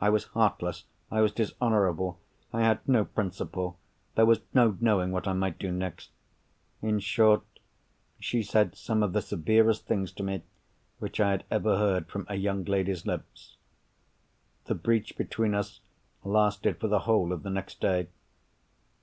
I was "heartless"; I was "dishonourable"; I had "no principle"; there was "no knowing what I might do next"—in short, she said some of the severest things to me which I had ever heard from a young lady's lips. The breach between us lasted for the whole of the next day.